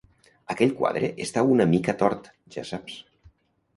Aquell quadre està una mica tort, ja saps.